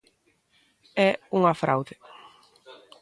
É unha fraude.